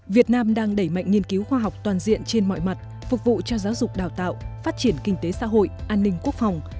việt nam đang đẩy mạnh nghiên cứu khoa học toàn diện trên mọi mặt phục vụ cho giáo dục đào tạo phát triển kinh tế xã hội an ninh quốc phòng